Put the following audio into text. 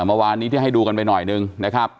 เมื่อวานนี้ที่ให้ดูกันไปหน่อยนึงนะครับ